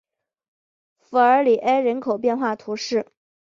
弗尔里埃人口变化图示